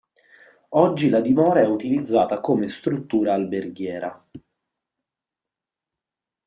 Oggi la dimora è utilizzata come struttura alberghiera.